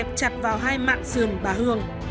dùng hai chân kẹp chặt vào hai mạng giường bà hương